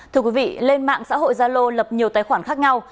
thưa quý vị lên mạng xã hội gia lô lập nhiều tài khoản khác nhau